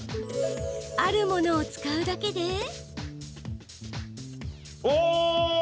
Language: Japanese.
あるものを使うだけで。